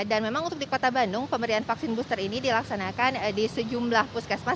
dan memang untuk di kota bandung pemberian vaksin booster ini dilaksanakan di sejumlah puskesmas